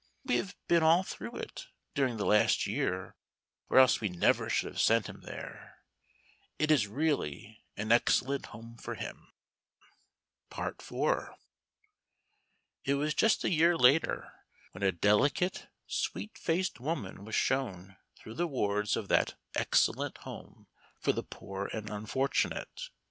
We have been all through it, during the last year, or else we never should have sent him there. It is really an excellent home for him." IV. It was just a year later when a delicate, sweet faced woman was shown through the wards of that "excellent home" for the poor and unfortunate.